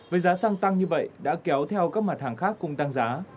với giá xăng tăng như vậy đã kéo theo các mặt hàng khác cùng tăng giá